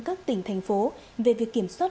các tỉnh thành phố về việc kiểm soát